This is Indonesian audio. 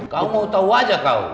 kamu mau tahu aja kau